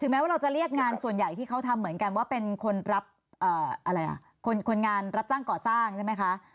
แม้ว่าเราจะเรียกงานส่วนใหญ่ที่เขาทำเหมือนกันว่าเป็นคนรับคนงานรับจ้างก่อสร้างใช่ไหมคะ